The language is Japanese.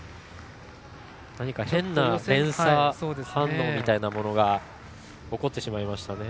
変な連鎖反応みたいなものが起こってしまいましたね。